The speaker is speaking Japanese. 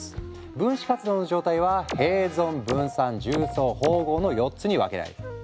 分子活動の状態は併存分散重層包合の４つに分けられる。